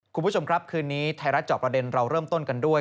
คุณผู้ชมครับคืนนี้ไทยรัฐจอบประเด็นเราเริ่มต้นกันด้วย